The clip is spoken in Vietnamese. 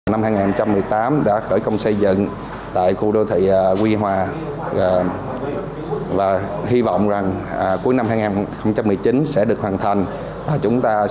năm hai nghìn một mươi tám đã khởi công xây dựng tại khu đô thị quy hòa và hy vọng rằng cuối năm hai nghìn một mươi chín sẽ được hoàn thành